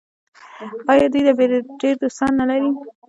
آیا دوی ډیر دوستان نلري؟